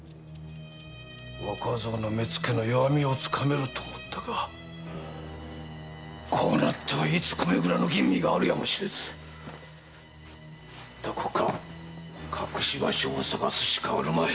若僧の目付の弱みを掴めると思ったがこうなってはいつ米蔵の吟味があるやもしれずどこか隠し場所を探すしかあるまい。